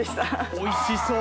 おいしそう。